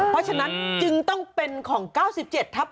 เพราะฉะนั้นจึงต้องเป็นของ๙๗ทับ